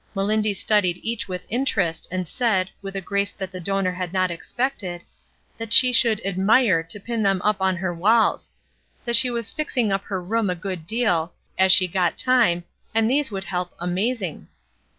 Melindy studied each with interest, and said, with a grace that the donor had not expected, that she should MELINDY 201 '^admire" to pin them up on her walls; that she was fixing up her roona a good deal, as she got time, and these would help "amazing."